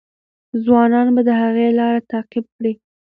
ځوانان به د هغې لار تعقیب کړي.